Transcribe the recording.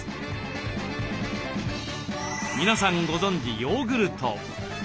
皆さんご存じヨーグルト。